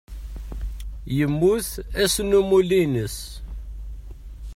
Yemmut ass n umulli-ines.